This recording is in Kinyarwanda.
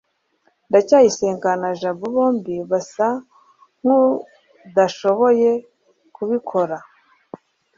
ndacyayisenga na jabo bombi basa nkudashoboye kubikora